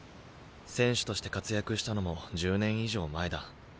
選手として活躍したのも１０年以上前だ。